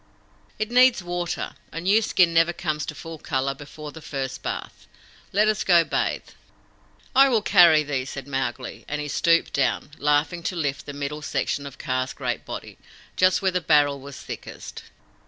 "It needs water. A new skin never comes to full colour before the first bath. Let us go bathe." "I will carry thee," said Mowgli; and he stooped down, laughing, to lift the middle section of Kaa's great body, just where the barrel was thickest.